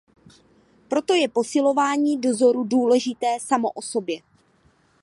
Proto je posilování dozoru důležité samo o sobě.